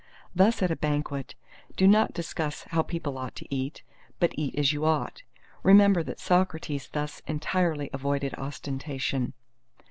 Thus at a banquet, do not discuss how people ought to eat; but eat as you ought. Remember that Socrates thus entirely avoided ostentation.